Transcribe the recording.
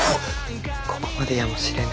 ここまでやもしれぬ。